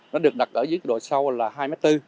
nó được đặt ở dưới đội sau là hai m bốn